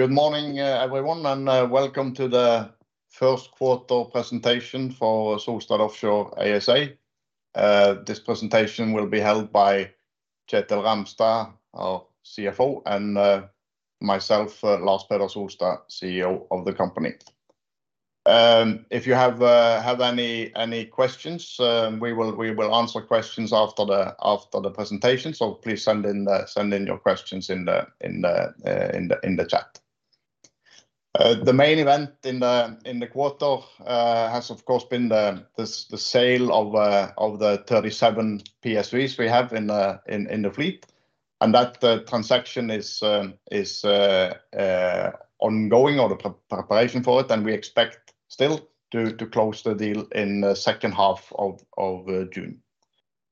Good morning, everyone, and welcome to the first quarter presentation for Solstad Offshore ASA. This presentation will be held by Kjetil Ramstad, our CFO, and myself, Lars Peder Solstad, CEO of the company. If you have any questions, we will answer questions after the presentation, so please send in your questions in the chat. The main event in the quarter has, of course, been the sale of the 37 PSVs we have in the fleet, and that transaction is ongoing, or the preparation for it, and we expect still to close the deal in the second half of June.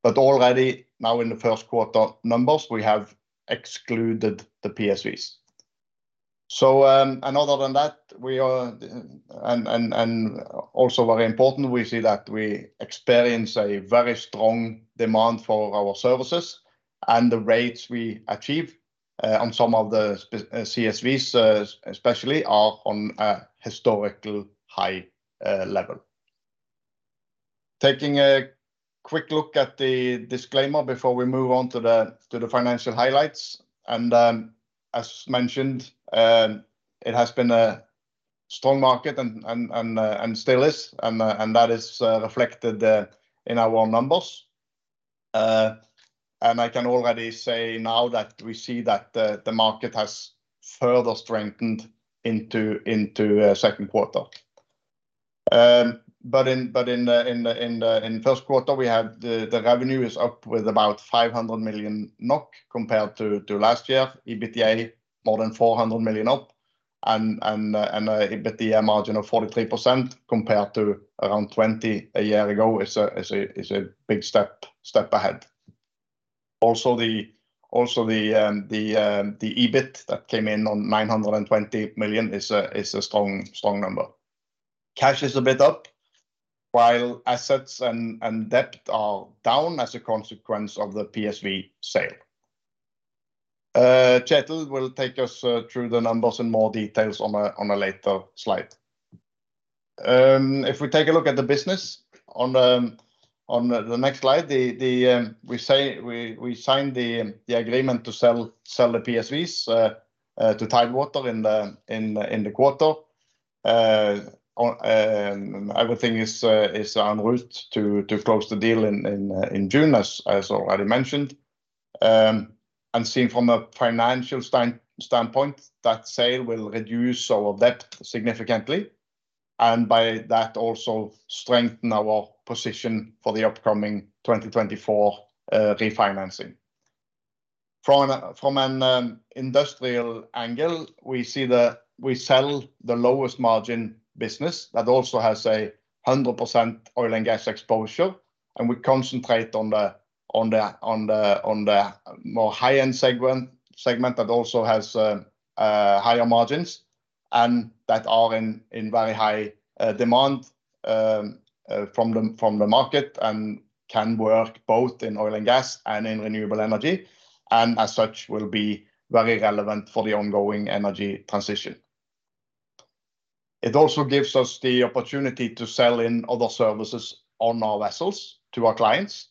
Already now in the first quarter numbers, we have excluded the PSVs. Other than that, we are... Also very important, we see that we experience a very strong demand for our services, and the rates we achieve on some of the CSVs, especially, are on a historical high level. Taking a quick look at the disclaimer before we move on to the financial highlights, as mentioned, it has been a strong market and still is, and that is reflected in our numbers. I can already say now that we see that the market has further strengthened into second quarter. In the first quarter, we had the revenue is up with about 500 million NOK compared to last year. EBITDA, more than 400 million up, and EBITDA margin of 43% compared to around 20 a year ago is a big step ahead. The EBIT that came in on 920 million is a strong number. Cash is a bit up, while assets and debt are down as a consequence of the PSV sale. Kjetil will take us through the numbers in more details on a later slide. If we take a look at the business on the next slide, we signed the agreement to sell the PSVs to Tidewater in the quarter. On everything is en route to close the deal in June, as already mentioned. Seen from a financial standpoint, that sale will reduce our debt significantly, and by that, also strengthen our position for the upcoming 2024 refinancing. From an, from an industrial angle, we sell the lowest margin business that also has 100% oil and gas exposure. We concentrate on the more high-end segment that also has higher margins and that are in very high demand from the market, and can work both in oil and gas and in renewable energy. As such, will be very relevant for the ongoing energy transition. It also gives us the opportunity to sell in other services on our vessels to our clients,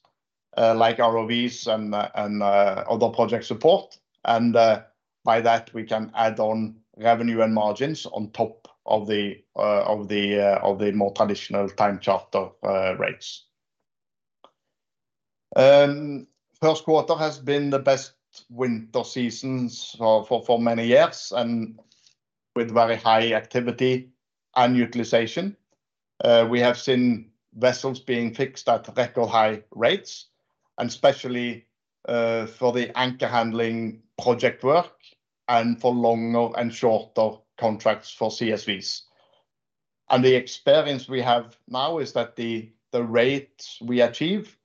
like ROVs and and other project support. By that, we can add on revenue and margins on top of the of the of the more traditional time charter rates. First quarter has been the best winter seasons for many years, with very high activity and utilization. We have seen vessels being fixed at record high rates, especially for the anchor handling project work and for longer and shorter contracts for CSVs. The experience we have now is that the rates we achieve,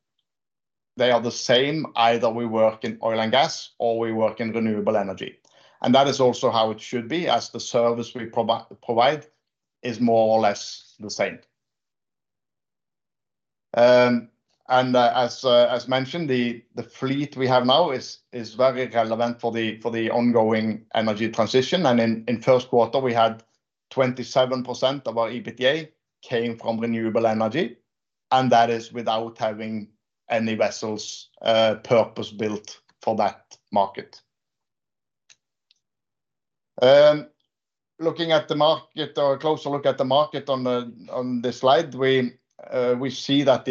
they are the same, either we work in oil and gas or we work in renewable energy. That is also how it should be, as the service we provide is more or less the same. As mentioned, the fleet we have now is very relevant for the ongoing energy transition, in first quarter, we had 27% of our EBITDA came from renewable energy, that is without having any vessels purpose-built for that market. Looking at the market, or a closer look at the market on this slide, we see that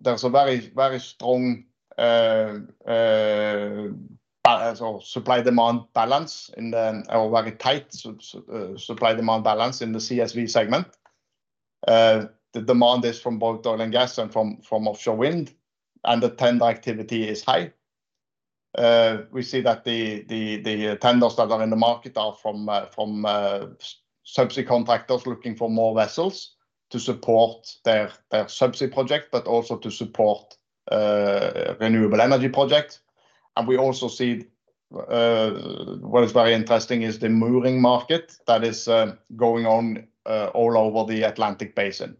there's a very, very strong supply-demand balance, or very tight supply-demand balance in the CSV segment. The demand is from both oil and gas and from offshore wind, and the tender activity is high. We see that the tenders that are in the market are from subsea contractors looking for more vessels to support their subsea project, but also to support renewable energy projects. We also see, what is very interesting is the mooring market that is going on all over the Atlantic Basin.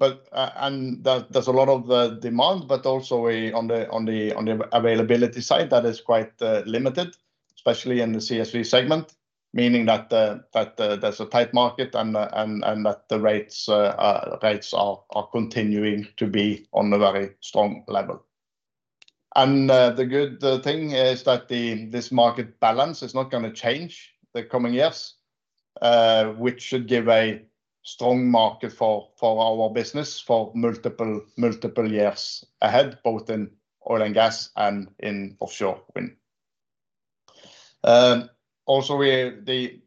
There's a lot of the demand, but also we on the availability side, that is quite limited, especially in the CSV segment, meaning that there's a tight market and that the rates are continuing to be on a very strong level. The good thing is that this market balance is not gonna change the coming years, which should give a strong market for our business for multiple years ahead, both in oil and gas and in offshore wind. We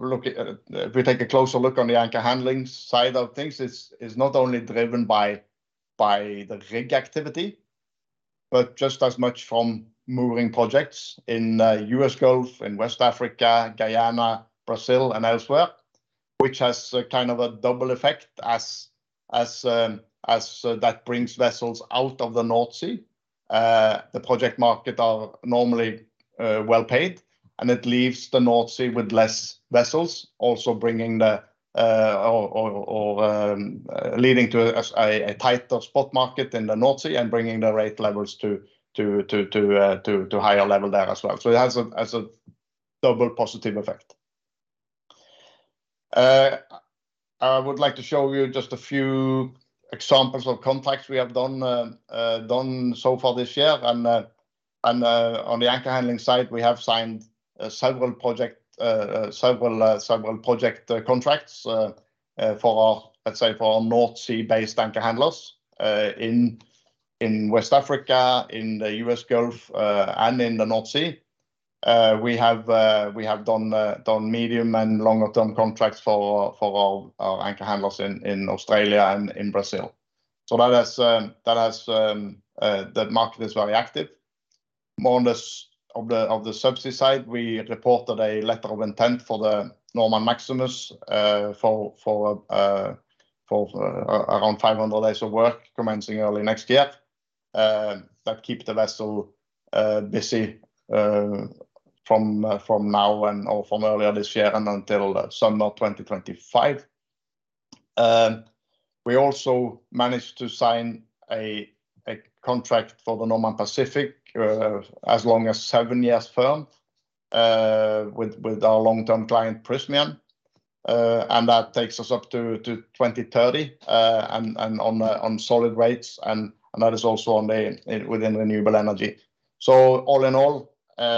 look at... If we take a closer look on the anchor handling side of things, it's not only driven by the rig activity, but just as much from moving projects in U.S. Gulf, in West Africa, Guyana, Brazil, and elsewhere, which has a kind of a double effect as that brings vessels out of the North Sea. It leaves the North Sea with less vessels also bringing or leading to a tighter spot market in the North Sea and bringing the rate levels to higher level there as well. It has a double positive effect. I would like to show you just a few examples of contracts we have done so far this year. On the anchor handling side, we have signed several project contracts for our, let's say, for our North Sea-based anchor handlers in West Africa, in the U.S. Gulf, and in the North Sea. We have done medium and longer term contracts for our anchor handlers in Australia and in Brazil. That has the market is very active. More on this, of the subsea side, we reported a letter of intent for the Normand Maximus for around 500 days of work, commencing early next year. That keep the vessel busy from now and/or from earlier this year and until summer 2025. We also managed to sign a contract for the Normand Pacific, as long as seven years firm, with our long-term client, Prysmian. That takes us up to 2030 and on solid rates, and that is also within renewable energy. All in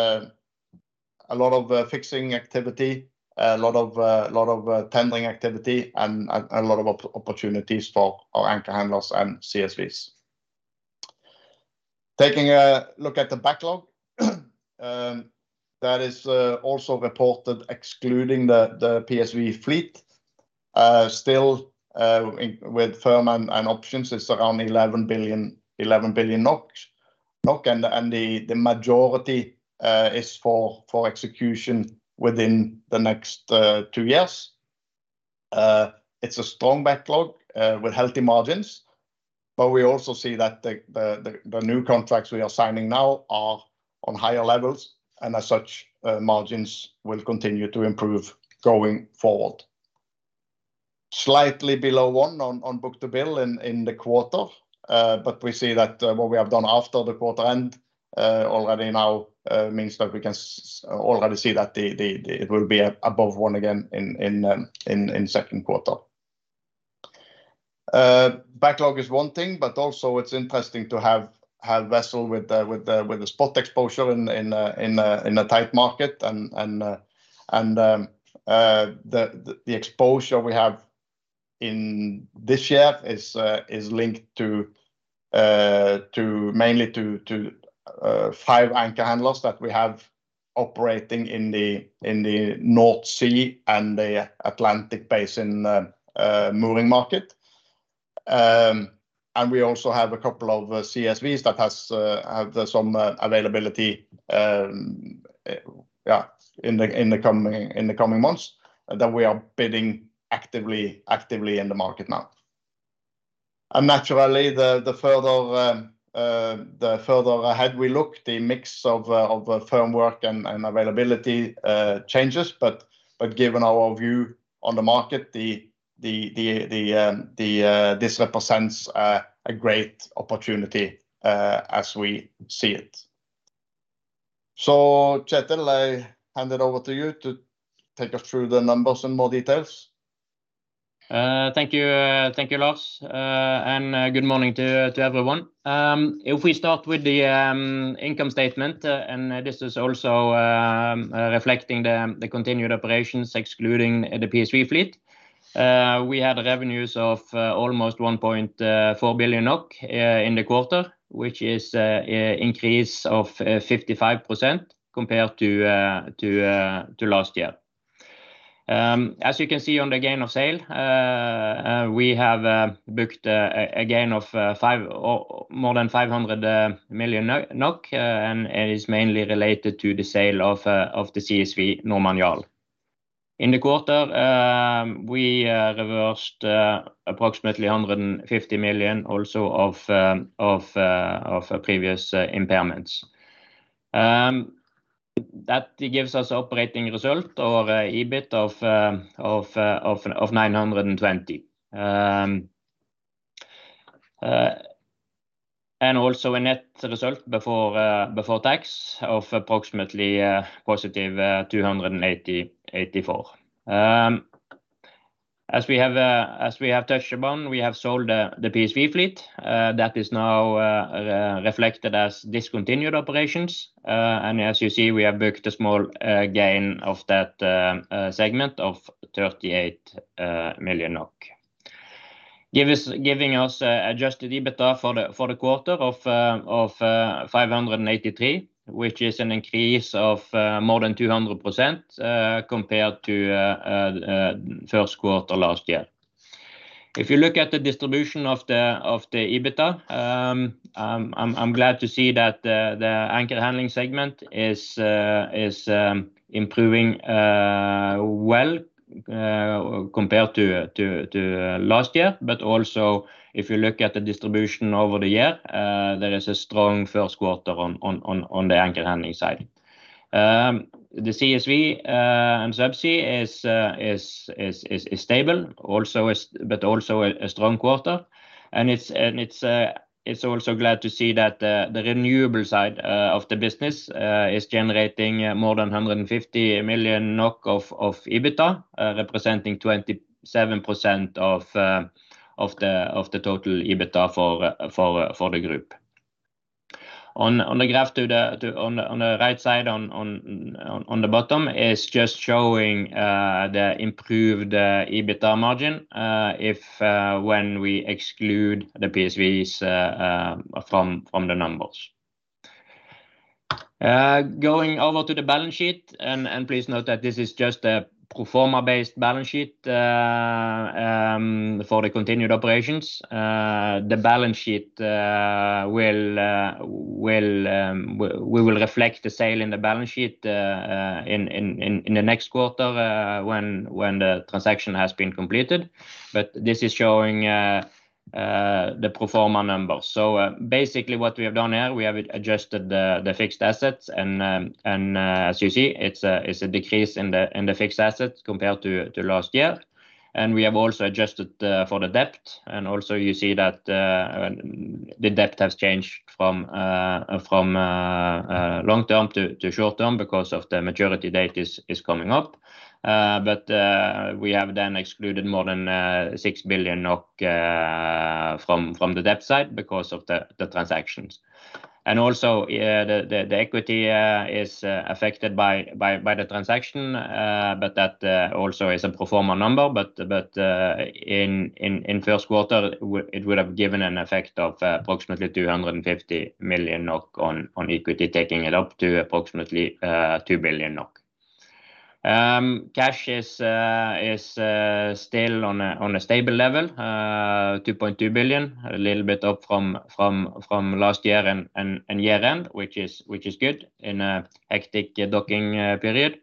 all, a lot of fixing activity, a lot of tendering activity, and a lot of opportunities for our anchor handlers and CSVs. Taking a look at the backlog, that is also reported, excluding the PSV fleet, still with firm and options, it's around 11 billion. The majority is for execution within the next two years. It's a strong backlog with healthy margins. We also see that the new contracts we are signing now are on higher levels, as such, margins will continue to improve going forward. Slightly below one on book-to-bill in the quarter. We see that what we have done after the quarter end already now means that we can already see that it will be above one again in second quarter. Backlog is one thing. Also it's interesting to have vessel with the spot exposure in a tight market. The exposure we have in this year is linked mainly to five anchor handlers that we have operating in the North Sea and the Atlantic Basin mooring market. We also have a couple of CSVs that have some availability in the coming months, that we are bidding actively in the market now. Naturally, the further ahead we look, the mix of firm work and availability changes, but given our view on the market, this represents a great opportunity as we see it. Kjetil, I hand it over to you to take us through the numbers in more details. Thank you, thank you, Lars. Good morning to everyone. If we start with the income statement, and this is also reflecting the continued operations, excluding the PSV fleet, we had revenues of almost 1.4 billion NOK in the quarter, which is increase of 55% compared to last year. As you can see on the gain of sale, we have booked a gain of five or more than 500 million NOK, and it is mainly related to the sale of the CSV Normand Jarl. In the quarter, we reversed approximately 150 million also of previous impairments. That gives us operating result or EBIT of 920. Also a net result before tax of approximately positive 284. As we have touched upon, we have sold the PSV fleet that is now reflected as discontinued operations. As you see, we have booked a small gain of that segment of 38 million NOK. giving us adjusted EBITDA for the quarter of 583, which is an increase of more than 200% compared to first quarter last year. If you look at the distribution of the EBITDA, I'm glad to see that the anchor handling segment is improving well compared to last year. Also if you look at the distribution over the year, there is a strong first quarter on the anchor handling side. The CSV and subsea is stable but also a strong quarter. It's also glad to see that the renewable side of the business is generating more than 150 million NOK of EBITDA representing 27% of the total EBITDA for the group. On the graph to the right side, on the bottom, is just showing the improved EBITDA margin, if when we exclude the PSVs from the numbers. Going over to the balance sheet, and please note that this is just a pro forma-based balance sheet for the continued operations. The balance sheet will reflect the sale in the balance sheet in the next quarter, when the transaction has been completed. But this is showing the pro forma numbers. Basically, what we have done here, we have adjusted the fixed assets and, as you see, it's a decrease in the fixed assets compared to last year. We have also adjusted for the debt. Also you see that the debt has changed from long term to short term because of the maturity date is coming up. We have then excluded more than 6 billion from the debt side because of the transactions. Also, the equity is affected by the transaction, but that also is a pro forma number. In first quarter, it would have given an effect of approximately 250 million NOK on equity, taking it up to approximately 2 billion NOK. Cash is still on a stable level, 2.2 billion, a little bit up from last year and year-end, which is good in a hectic docking period.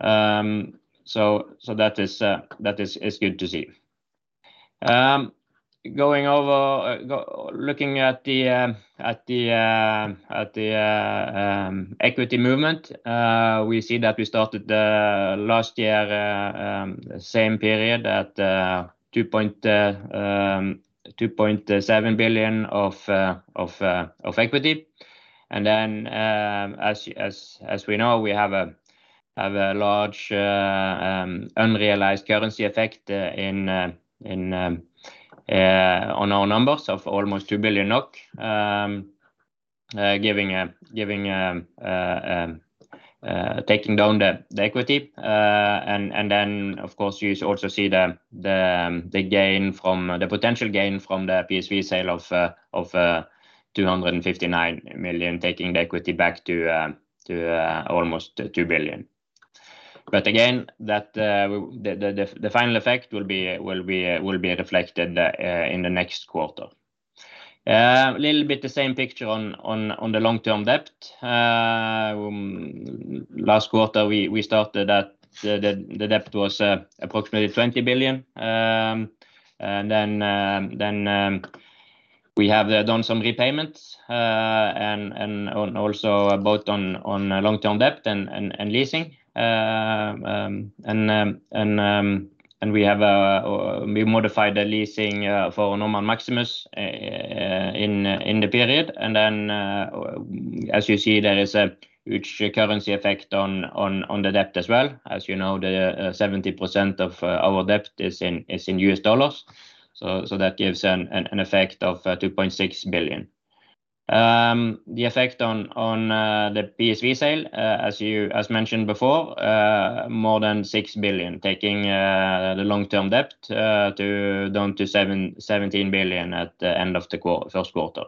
That is good to see. Looking at the equity movement, we see that we started last year, same period at 2.7 billion of equity. Then, as we know, we have a large unrealized currency effect in on our numbers of almost NOK 2 billion. Taking down the equity. And then, of course, you also see the potential gain from the PSV sale of 259 million, taking the equity back to almost 2 billion. Again, that the final effect will be reflected in the next quarter. Little bit the same picture on the long-term debt. Last quarter, we started at the debt was approximately NOK 20 billion. We have done some repayments, and also both on long-term debt and leasing. We modified the leasing for Normand Maximus in the period. As you see, there is a huge currency effect on the debt as well. As you know, the 70% of our debt is in USD, so that gives an effect of $2.6 billion. The effect on the PSV sale, as mentioned before, more than $6 billion, taking the long-term debt down to 17 billion at the end of the quarter, first quarter.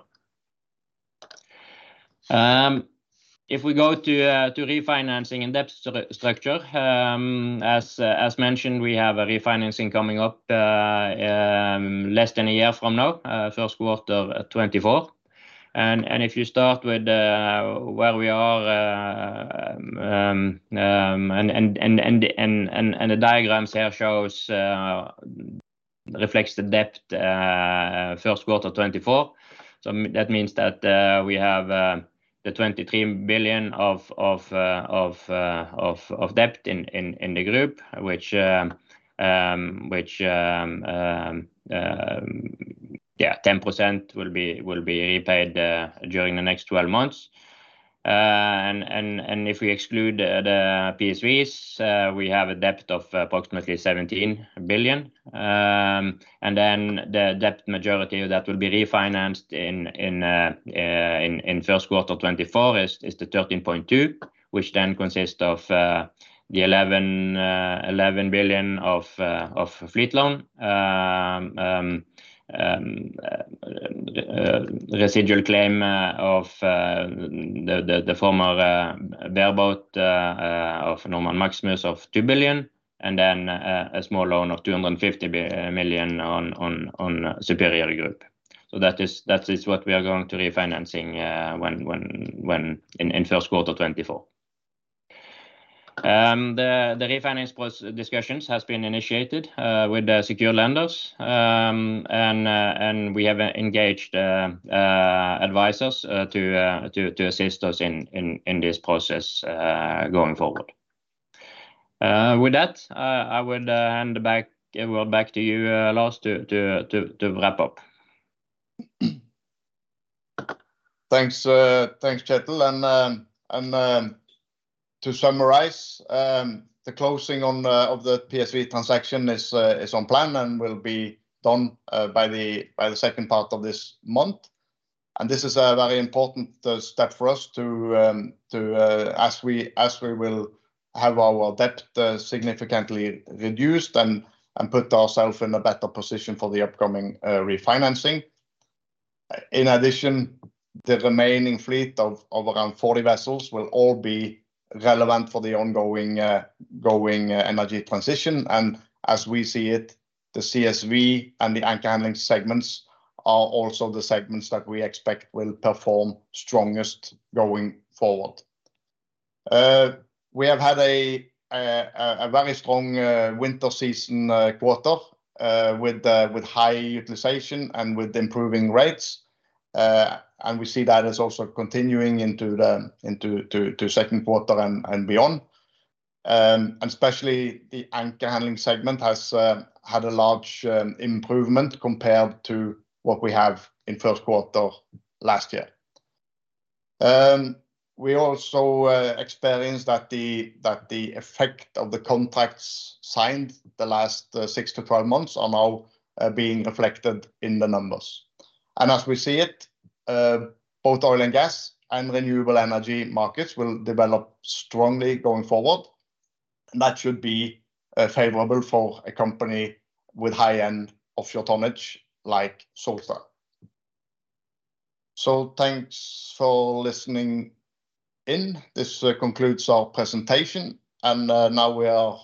If we go to refinancing and debt structure, as mentioned, we have a refinancing coming up less than a year from now, first quarter 2024. If you start with where we are, the diagrams here shows reflects the debt, first quarter 2024. That means that we have the 23 billion of debt in the group, which yeah, 10% will be repaid during the next 12 months. If we exclude the PSVs, we have a debt of approximately 17 billion. The debt majority that will be refinanced in first quarter 2024 is the 13.2 billion, which then consists of the 11 billion of fleet loan. Residual claim of the former bareboat of Normand Maximus of 2 billion, and then a small loan of 250 million on Superior Group. That is what we are going to refinancing when in first quarter 2024. The refinance plus discussions has been initiated with the secure lenders. We have engaged advisors to assist us in this process going forward. With that, I would hand back, well, back to you, Lars, to wrap up. Thanks, Kjetil. To summarize, the closing of the PSV transaction is on plan and will be done by the second part of this month. This is a very important step for us to, as we will have our debt significantly reduced and put ourself in a better position for the upcoming refinancing. In addition, the remaining fleet of around 40 vessels will all be relevant for the ongoing energy transition. As we see it, the CSV and the anchor handling segments are also the segments that we expect will perform strongest going forward. We have had a very strong winter season, quarter, with high utilization and with improving rates. We see that as also continuing into the second quarter and beyond. Especially the anchor handling segment has had a large improvement compared to what we have in first quarter last year. We also experienced that the effect of the contracts signed the last six to 12 months are now being reflected in the numbers. As we see it, both oil and gas and renewable energy markets will develop strongly going forward, and that should be favorable for a company with high end offshore tonnage like Solstad. Thanks for listening in. This concludes our presentation, and now we are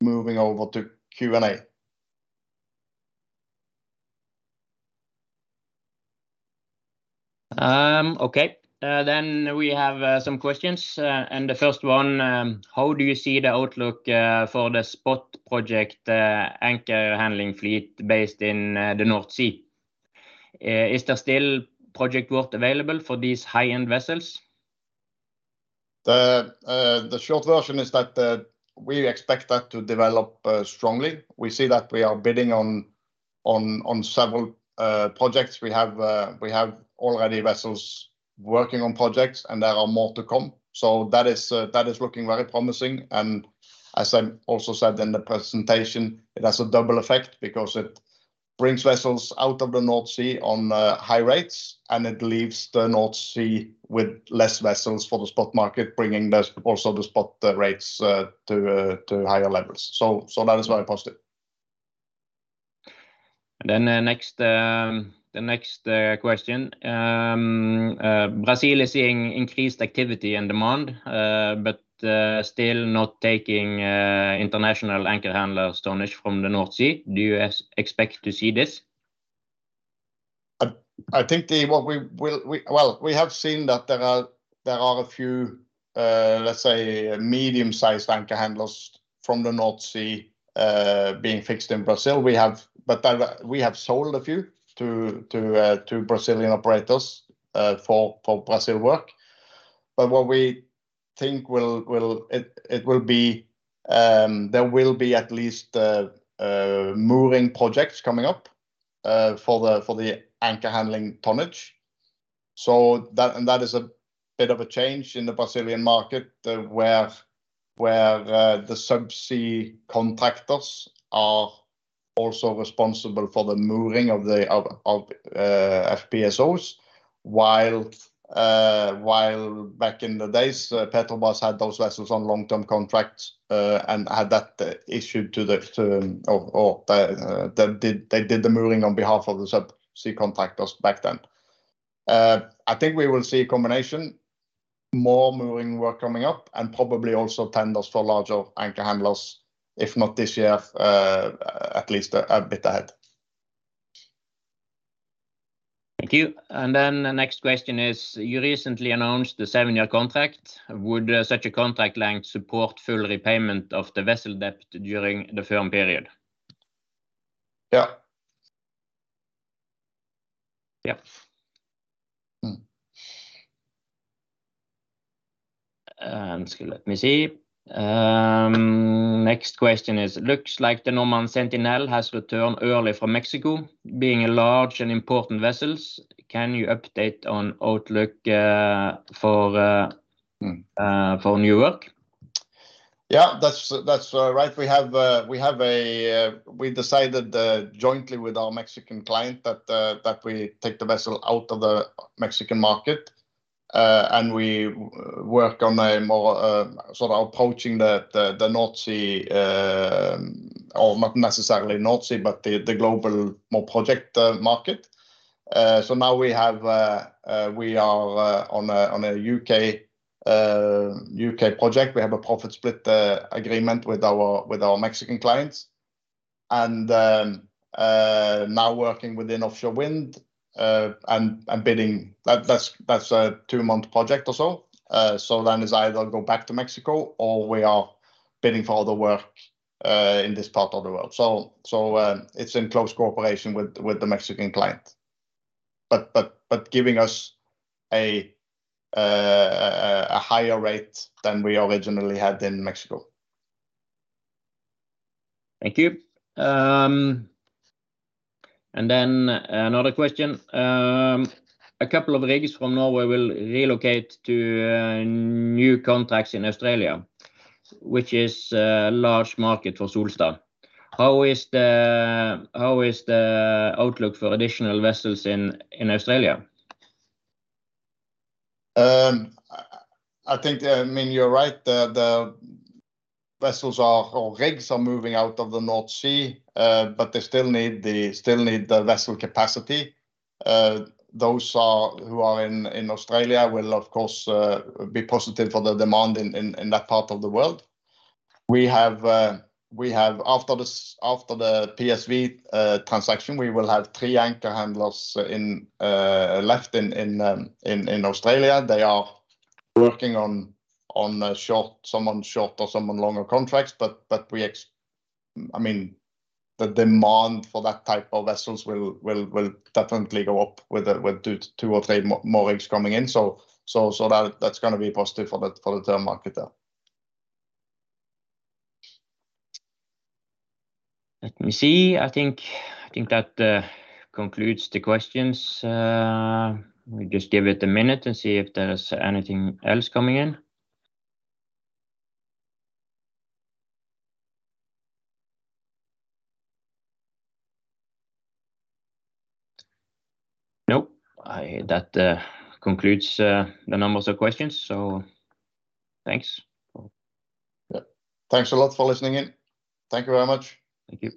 moving over to Q&A. Okay, then we have some questions. The first one: How do you see the outlook for the spot project anchor handling fleet based in the North Sea? Is there still project work available for these high-end vessels? The short version is that, we expect that to develop strongly. We see that we are bidding on several, projects. We have already vessels working on projects, and there are more to come. That is looking very promising. As I also said in the presentation, it has a double effect because it brings vessels out of the North Sea on, high rates, and it leaves the North Sea with less vessels for the spot market, bringing the, also the spot rates, to higher levels. That is very positive. The next question. Brazil is seeing increased activity and demand, but still not taking international anchor handlers tonnage from the North Sea. Do you expect to see this? I think the what we, well, we have seen that there are a few, let's say, medium-sized anchor handlers from the North Sea, being fixed in Brazil. I, we have sold a few to Brazilian operators for Brazil work. What we think will be, there will be at least mooring projects coming up for the anchor handling tonnage. That, and that is a bit of a change in the Brazilian market, where the subsea contractors are also responsible for the mooring of the FPSOs. While back in the days, Petrobras had those vessels on long-term contracts and had that issued to the mooring on behalf of the subsea contractors back then. I think we will see a combination, more mooring work coming up, and probably also tenders for larger anchor handlers, if not this year, at least a bit ahead. Thank you. The next question is: You recently announced the seven-year contract. Would such a contract length support full repayment of the vessel debt during the firm period? Yeah. Yeah. Mm. let me see. next question is, looks like the Normand Sentinel has returned early from Mexico. Being a large and important vessels, can you update on outlook, for new work? Yeah, that's right. We decided jointly with our Mexican client that we take the vessel out of the Mexican market and we work on a more sort of approaching the North Sea, or not necessarily North Sea, but the global more project market. Now we are on a U,K. project. We have a profit split agreement with our Mexican clients, and now working within offshore wind and bidding. That's a two-month project or so. It's either go back to Mexico or we are bidding for other work in this part of the world. It's in close cooperation with the Mexican client, but giving us a higher rate than we originally had in Mexico. Thank you. Another question. A couple of rigs from Norway will relocate to new contracts in Australia, which is a large market for Solstad. How is the outlook for additional vessels in Australia? I think, I mean, you're right, the vessels are or rigs are moving out of the North Sea, but they still need the vessel capacity. Those are, who are in Australia will, of course, be positive for the demand in that part of the world. We have, we have after the PSV transaction, we will have three anchor handlers left in Australia. They are working on a short, some on short or some on longer contracts, but I mean, the demand for that type of vessels will definitely go up with two or three more rigs coming in, so that's gonna be positive for the term market there. Let me see. I think that concludes the questions. Let me just give it a minute and see if there's anything else coming in. Nope. That concludes the numbers of questions. Thanks. Yeah. Thanks a lot for listening in. Thank you very much. Thank you.